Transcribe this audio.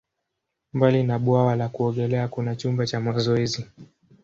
Mbali na bwawa la kuogelea, kuna chumba cha mazoezi.